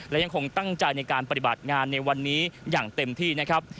และยังคงตั้งใจในการปฏิบัติงานในวันนี้อย่างเต็มที่นะครับ